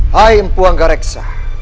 hai empu hanggareksa